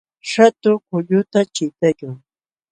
Shatu kulluta chiqtaykan